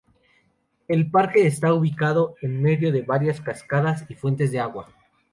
El parque está ubicado en medio de varias cascadas y fuentes de agua.